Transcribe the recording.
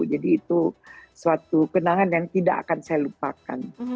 jadi itu suatu kenangan yang tidak akan saya lupakan